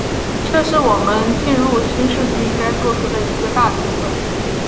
这是我们进入新世纪应该作出的一个大决策。